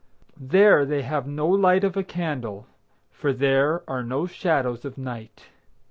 There they have no light of a candle, For there are no shadows of night.